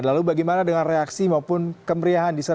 lalu bagaimana dengan reaksi maupun kemeriahan di sana